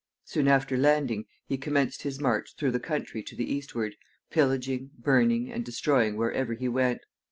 Soon after landing he commenced his march through the country to the eastward, pillaging, burning, and destroying wherever he went.